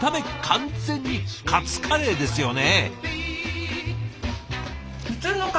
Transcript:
完全にカツカレーですよね。